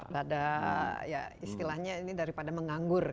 pada ya istilahnya ini daripada menganggur